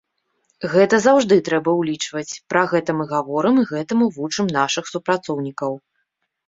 Гэта заўжды трэба ўлічваць, пра гэта мы гаворым і гэтаму вучым нашых супрацоўнікаў.